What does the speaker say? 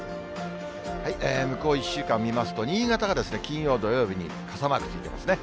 向こう１週間をみますと、新潟は金曜、土曜日に傘マークついてますね。